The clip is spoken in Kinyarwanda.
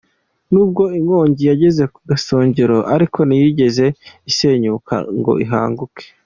Nubwo inkongi yageze ku gasongero ariko ntiyigeze isenyuka ngo ihanguke.